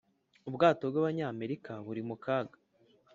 Ubwato bwa banyamerika buri mukaga